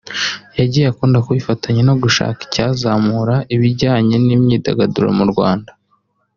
yagiye akunda kubifatanya no gushaka icyazamura ibijyanye n’imyidagaduro mu Rwanda